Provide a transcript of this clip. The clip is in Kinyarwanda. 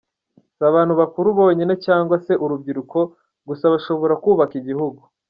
Si abantu bakuru bonyine cyangwa se urubyiruko gusa bashobora kubaka igihugu.